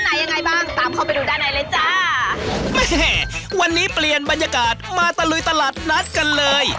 ไหนยังไงบ้างตามเข้าไปดูด้านในเลยจ้าแม่วันนี้เปลี่ยนบรรยากาศมาตะลุยตลาดนัดกันเลย